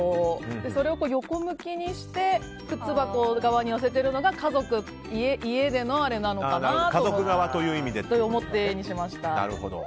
それを横向きにして靴箱側に寄せているのが家族、家でのあれなのかなと思ってＡにしました。